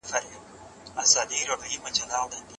کمپيوټر اوبه تنظيموي.